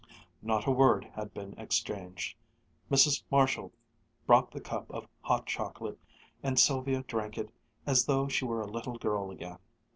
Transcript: Not a word had been exchanged. Mrs. Marshall brought the cup of hot chocolate and Sylvia drank it as though she were a little girl again.